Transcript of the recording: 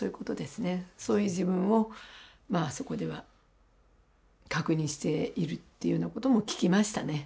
そういう自分をそこでは確認しているっていうようなことも聞きましたね。